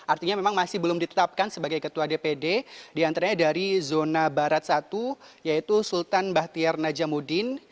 artinya memang masih belum ditetapkan sebagai ketua dpd diantaranya dari zona barat satu yaitu sultan bahtiar najamuddin